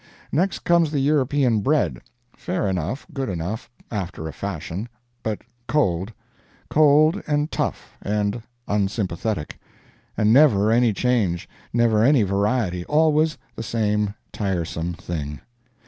Next comes the European bread fair enough, good enough, after a fashion, but cold; cold and tough, and unsympathetic; and never any change, never any variety always the same tiresome thing.